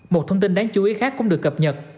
một thông tin đáng chú ý khác cũng được cập nhật